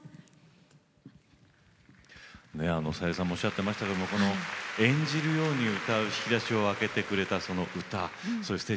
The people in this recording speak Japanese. さゆりさんもおっしゃってましたが演じるように引き出しを開けてくれた歌